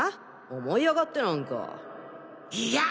思い上がってなんかいや！